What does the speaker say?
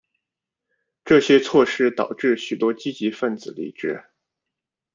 这些措施导致许多积极份子离职。